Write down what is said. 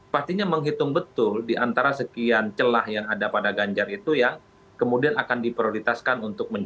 pastinya menghitung betul diantara sekian celah yang ada pada ganjar itu yang kemudian akan diprioritaskan untuk mencari